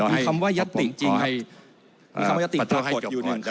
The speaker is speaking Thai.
มีคำว่ายัตติจริงครับมีคำว่ายัตติปรากฏอยู่๑ครั้งครับ